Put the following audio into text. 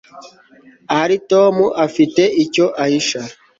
ahari tom afite icyo ahisha